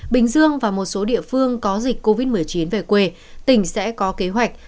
bình dương và một số địa phương có dịch covid một mươi chín về quê tỉnh sẽ có kế hoạch